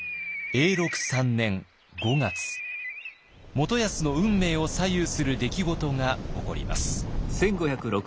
元康の運命を左右する出来事が起こります。